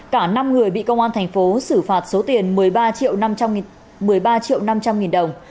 cả năm người bị công an thành phố xử phạt số tiền một mươi ba triệu năm trăm linh đồng